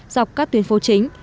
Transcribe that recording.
dọc các tuyến phố chính